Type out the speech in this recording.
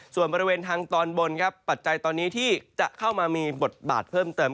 ส่วนบริเวณทางตอนบนครับปัจจัยตอนนี้ที่จะเข้ามามีบทบาทเพิ่มเติม